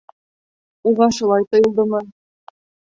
Уға шулай тойолдомо.